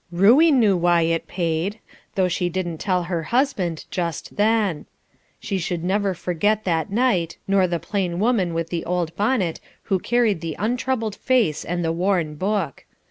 Ruey knew why it "paid," though she didn't tell her husband just then; she should never forget that night, nor the plain woman with the old bonnet who carried the untroubled face and the worn book.